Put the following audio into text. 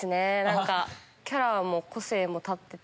キャラも個性も立ってて。